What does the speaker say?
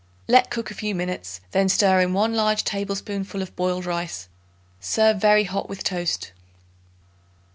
Let cook a few minutes, then stir in 1 large tablespoonful of boiled rice. Serve very hot with toast.